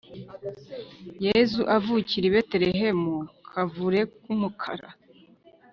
yezu avukira i betelehemu kavure kumukara